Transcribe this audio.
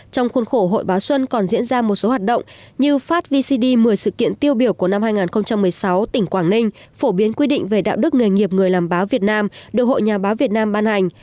trong khuôn khổ hội báo xuân còn diễn ra một số hoạt động như phát vcd một mươi sự kiện tiêu biểu của năm hai nghìn một mươi sáu tỉnh quảng ninh phổ biến quy định về đạo đức nghề nghiệp người làm báo việt nam được hội nhà báo việt nam ban hành